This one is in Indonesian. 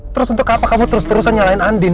terus untuk apa kamu terus terusan nyalain andin